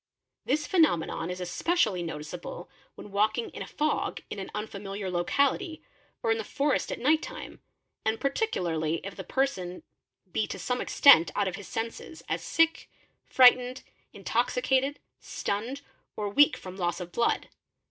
This phenomenon is especially noticeable when walking in a fog in an unfamiliar locality, or in the forest at night time, and particularly if the person be to some extent out of his ser ses, as sick, frightened, intoxicated, stunned, or weak from loss of blood.